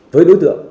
với đối tượng